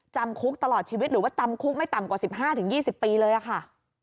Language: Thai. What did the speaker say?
จำคุกตลอดชีวิตหรือว่าจำคุกไม่ต่ำกว่า๑๕๒๐ปีเลยค่ะ